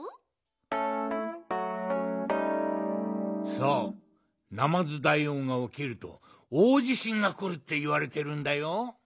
そうなまずだいおうがおきるとおおじしんがくるっていわれてるんだよ。